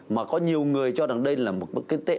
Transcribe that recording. mà có nhiều người cho rằng đây là một cái tệ